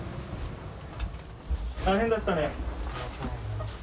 大変だったね。